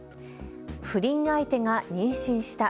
不倫相手が妊娠した。